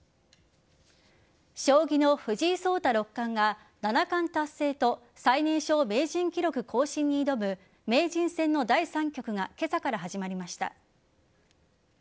将棋の藤井聡太六冠が七冠達成と最年少名人記録更新に挑む名人戦の第３局が今朝から始まりました。